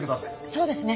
そうですね。